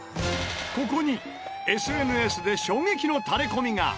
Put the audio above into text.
ここにＳＮＳで衝撃のタレコミが！